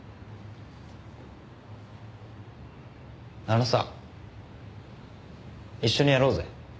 あのさ一緒にやろうぜ。